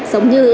giống như đã